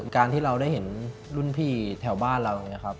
การที่เราได้เห็นรุ่นพี่แถวบ้านเราอย่างนี้ครับ